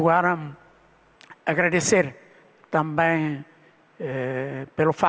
dan mengembangkan lebih banyak hubungan kita dengan ekonomi